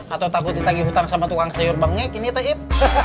atau takut ditagi hutang sama tukang sayur bengek ini teib